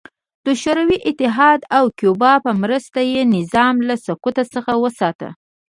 د شوروي اتحاد او کیوبا په مرسته یې نظام له سقوط څخه وساته.